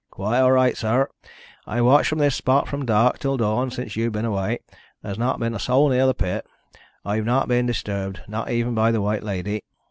"Quite all right, sir. I've watched from this spot from dark till dawn since you've been away, and there's not been a soul near the pit. I've not been disturbed not even by the White Lady."